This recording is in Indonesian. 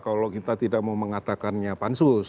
kalau kita tidak mau mengatakannya pansus